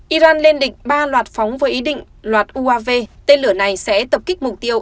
iran lên địch ba loạt phóng với ý định loạt uav tên lửa này sẽ tập kích mục tiêu